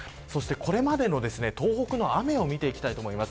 これまでの東北の雨を見ていきたいと思います。